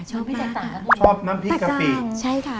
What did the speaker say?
ชอบน้ำพริกกะปิ